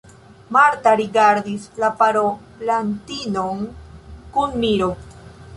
Marta rigardis la parolantinon kun miro.